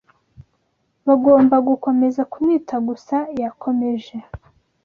bagombaga gukomeza kumwita Gusa yakomeje